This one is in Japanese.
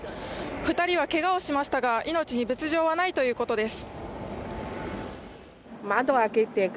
２人はけがをしましたが、命に別状はないということです。